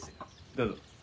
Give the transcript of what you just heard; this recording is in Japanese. どうぞ。